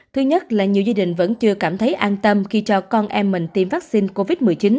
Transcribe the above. thứ nhất là nhiều gia đình vẫn chưa cảm thấy an tâm khi cho con em mình tiêm vaccine covid một mươi chín